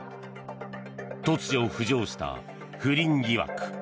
突如浮上した不倫疑惑。